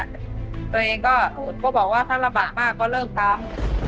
ตัวเองก็บอกว่าถ้าระบาดมากก็เริ่มทำ